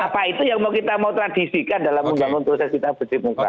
apa itu yang mau kita mau tradisikan dalam membangun proses kita berdemokrasi